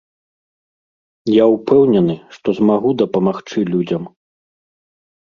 Я ўпэўнены, што змагу дапамагчы людзям.